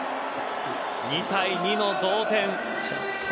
２対２の同点。